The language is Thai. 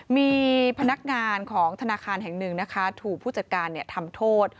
มีพนักงานของธนาคารแห่งหนึ่งนะคะถูกผู้จัดการทำโทษ